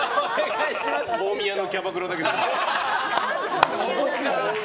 大宮のキャバクラだけどな。